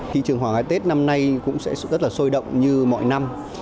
thị trường hoàng cái tết năm nay cũng sẽ rất là sôi động như mọi năm